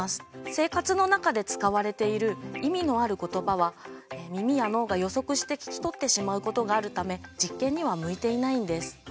生活の中で使われている意味のある言葉は耳や脳が予測して聞き取ってしまうことがあるためはあ、なるほど。